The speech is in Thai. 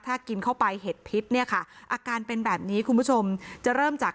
ถ้ากินเข้าไปเห็ดพิษเนี่ยค่ะอาการเป็นแบบนี้คุณผู้ชมจะเริ่มจาก